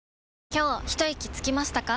今日ひといきつきましたか？